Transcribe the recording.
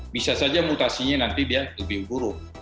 bisa saja mutasinya nanti dia lebih buruk